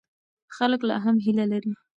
خلک لا هم هیله لري.